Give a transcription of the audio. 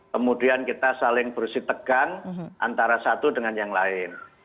kemudian kita saling bersite tegang antara satu dengan yang lain